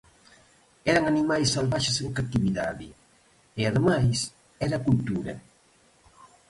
Eran animais salvaxes en catividade e, ademais, era cultura.